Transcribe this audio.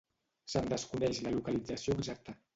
Se'n desconeix la localització exacta.